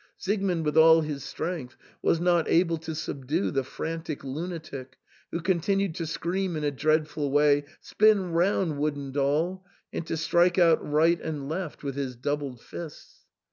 Siegmund, with all his strength, was not able to subdue the frantic lunatic, who continued to scream in a dreadful w^ay, "Spin round, wooden doll !" and' to strike out right and left with his doubled fists.